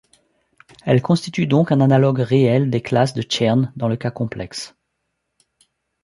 Elles constituent donc un analogue réel des classes de Chern dans le cas complexe.